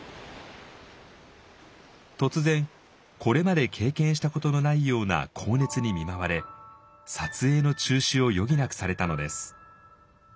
突然これまで経験したことのないような高熱に見舞われ撮影の中止を余儀なくされたのです。